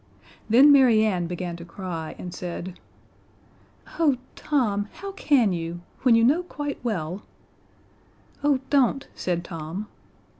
Then Mary Ann began to cry, and said: "Oh, Tom how can you? When you know quite well " "Oh, don't," said Tom.